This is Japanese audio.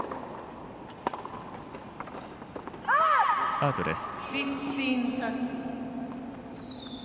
アウトです。